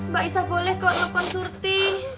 mbak isah boleh kok nelfon surti